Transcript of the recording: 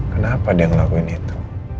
kenapa dia ngelakuin itu